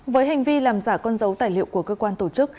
với hành vi làm giả con dấu tài liệu của cơ quan tổ chức